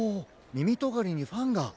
みみとがりにファンが。